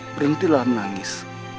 berhenti lah menangis